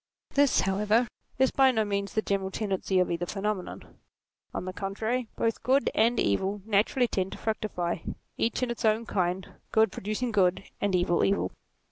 This, however, is by no means the general tendency of either phenomenon. On the contrary, both good and evil naturally tend to fructify, each in its own kind, good producing good, and evil, evil.